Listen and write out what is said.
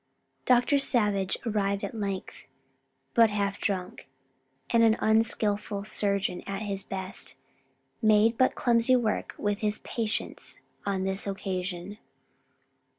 Dr. Savage arrived at length, but half drunk, and, an unskillful surgeon at his best, made but clumsy work with his patients on this occasion.